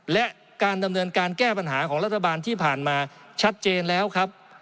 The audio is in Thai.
และการดำเนินการแก้ปัญหาของรัฐบาลที่ผ่านมาชัดเจนแล้วครับ